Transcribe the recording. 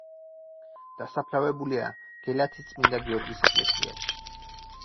დასაფლავებულია გელათის წმინდა გიორგის ეკლესიაში.